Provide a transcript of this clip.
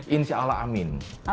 insya allah amin